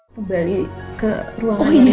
kembali ke ruangan yang dulu